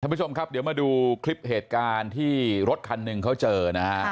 ผู้ชมครับเดี๋ยวมาดูคลิปเหตุการณ์ที่รถคันหนึ่งเขาเจอนะฮะ